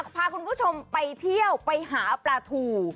พาคุณผู้ชมไปเที่ยวไปหาปลาทู